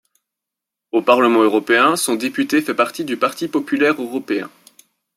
Au Parlement européen, son député fait partie du Parti populaire européen.